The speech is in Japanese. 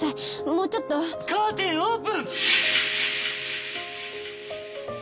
もうちょっとカーテンオープン！